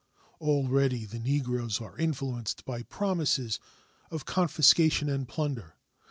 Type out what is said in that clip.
Already the Negroes are influenced by promises of confiscation and plunder.